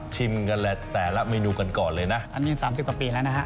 กันแหละแต่ละเมนูกันก่อนเลยนะอันนี้๓๐กว่าปีแล้วนะฮะ